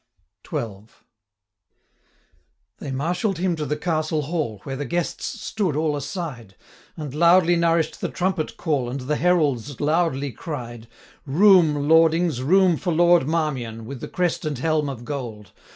XII. They marshall'd him to the Castle hall, Where the guests stood all aside, And loudly nourish'd the trumpet call, And the heralds loudly cried, 170 'Room, lordings, room for Lord Marmion, With the crest and helm of gold!